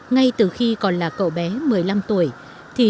ngay từ khi còn là cậu bé một mươi năm tuổi